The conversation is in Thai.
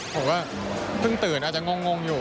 ผมก็เพิ่งตื่นอาจจะงงอยู่